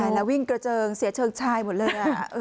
แล้ววิ่งกระเจิงเสียเชิงชายหมดเลย